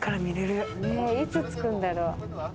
いつ着くんだろう？